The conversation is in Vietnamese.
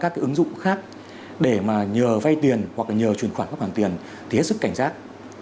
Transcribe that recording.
các cái ứng dụng khác để mà nhờ vay tiền hoặc là nhờ truyền khoản các khoản tiền thì hết sức cảnh giác